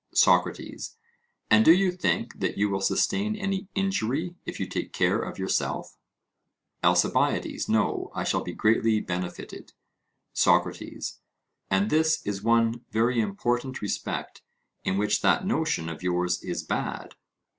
SOCRATES: And do you think that you will sustain any injury if you take care of yourself? ALCIBIADES: No, I shall be greatly benefited. SOCRATES: And this is one very important respect in which that notion of yours is bad.